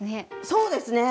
そうですね。